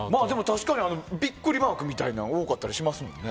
確かにビックリマーク多かったりしますもんね。